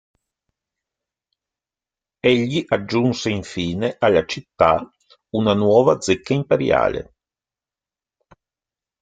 Egli aggiunse infine alla città una nuova zecca imperiale.